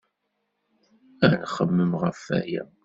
Ad nxemmem ɣef waya.